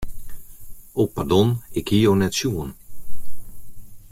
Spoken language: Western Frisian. O pardon, ik hie jo net sjoen.